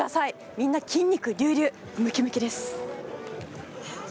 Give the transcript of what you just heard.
みんな筋肉隆々、ムキムキです。